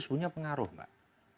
sebenarnya pengaruh mbak